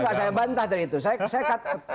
sebentar sebentar tadi saya bantah dari itu